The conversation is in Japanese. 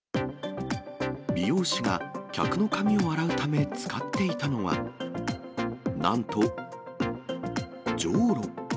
美容師が客の髪を洗うため使っていたのは、なんとじょうろ。